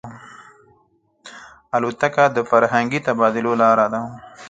الوتکه د فرهنګي تبادلو لاره ده.